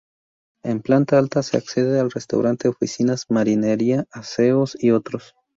En planta alta se accede al Restaurante, Oficinas, Marinería, aseos y otros.